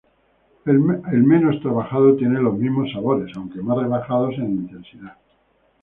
El menos trabajado tiene los mismos sabores, aunque más rebajados en intensidad.